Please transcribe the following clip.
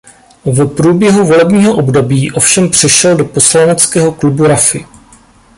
V průběhu volebního období ovšem přešel do poslaneckého klubu Rafi.